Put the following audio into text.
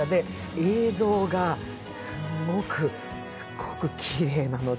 映像がすごく、すごく、きれいなので。